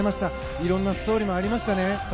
いろんなストーリーもありましたね。